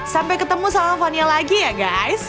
sampai ketemu sama fania lagi ya guys